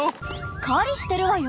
狩りしてるわよ。